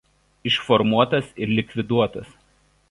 Išformuotas ir likviduotas.